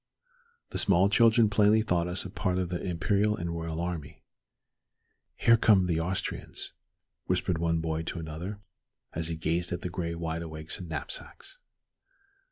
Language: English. The small children plainly thought us a part of the imperial and royal army. "Here come the Austrians," whispered one boy to another, as he gazed at the gray wide awakes and knapsacks.